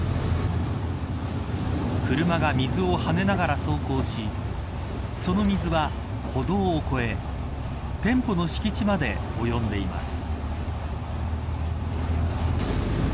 車が水をはねながら走行しその水は、歩道を越え店舗の敷地まで及んでいます。